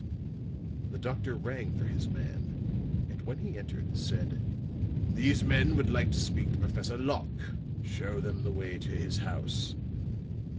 The doctor rang for his man, and when he entered, said: "These gentlemen would like to speak to Professor Locke. Show them the way to his house.